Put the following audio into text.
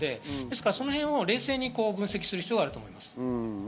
そのへんを冷静に分析する必要があると思います。